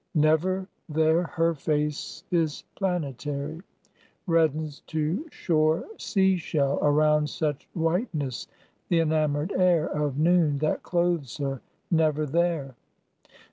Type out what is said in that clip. Never there her face Is planetary; reddens to shore sea shell Around such whiteness the enamoured air Of noon that clothes her, never there.